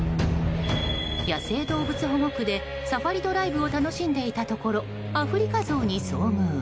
野生動物保護区でサファリドライブを楽しんでいたところアフリカゾウに遭遇。